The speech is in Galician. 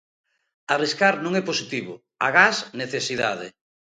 Arriscar non é positivo, agás necesidade.